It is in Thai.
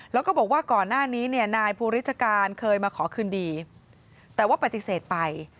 แล้วก็บอกว่าก่อนหน้านี้เนี่ยนายภูริชการเคยมาขอคืนดีแต่ว่าปฏิเสธไป